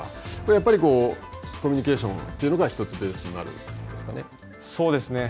やっぱりコミュニケーションというのが、１つベースになるんですそうですね。